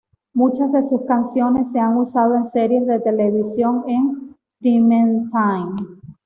Muchas de sus canciones se han usado en series de televisión en "primetime".